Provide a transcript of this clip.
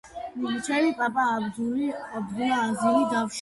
ჩემი პაპა, აბდულ-აზიმი, დავრიში იყო; ქვენიერება კიდით-კიდემდე ჰქონდა შემოვლილი.